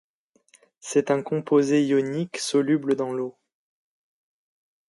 C'est un composé ionique soluble dans l'eau.